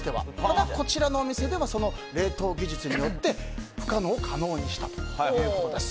ただ、こちらのお店ではその冷凍技術によって不可能を可能にしたということです。